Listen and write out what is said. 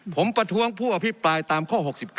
ผมประท้วงผู้อภิปรายตามข้อ๖๙